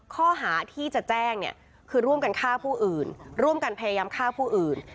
ข้อหาที่จะแจ้งเนี่ยคือร่วมกันฆ่าผู้อื่นร่วมกันพยายามฆ่าผู้อื่น